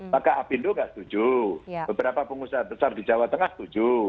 maka apindo nggak setuju beberapa pengusaha besar di jawa tengah setuju